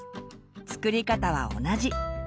作り方は同じ。